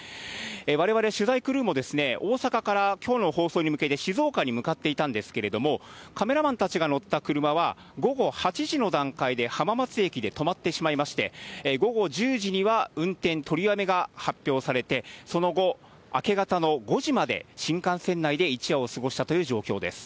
われわれ取材クルーも、大阪からきょうの放送に向けて静岡に向かっていたんですけれども、カメラマンたちが乗った車は、午後８時の段階で浜松駅で止まってしまいまして、午後１０時には運転取りやめが発表されて、その後、明け方の５時まで、新幹線内で一夜を過ごしたという状況です。